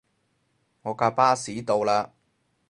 我架巴士到喇